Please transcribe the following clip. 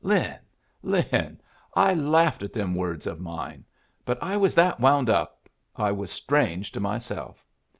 Lin, Lin, I laughed at them words of mine, but I was that wound up I was strange to myself.